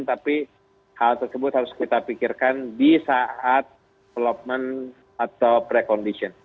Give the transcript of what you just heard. tapi hal tersebut harus kita pikirkan di saat development atau prekondition